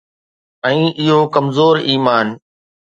۽ اهو ڪمزور ايمان.